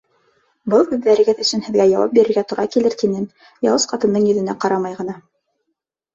— Был һүҙҙәрегеҙ өсөн һеҙгә яуап бирергә тура килер, — тинем, яуыз ҡатындың йөҙөнә ҡарамай ғына.